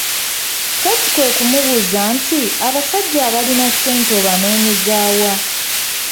Keeti kwe kumubuuza nti, “Abasajja abalina ssente obanoonyeza wa?